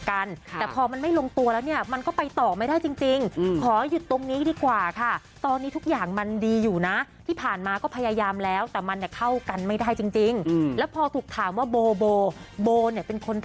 ความสัมพันธ์นะต้องมีการทำความรู้จักกัน